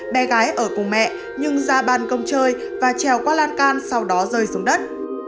bé gái ở cùng mẹ nhưng ra ban công chơi và trèo qua lan can sau đó rơi xuống đất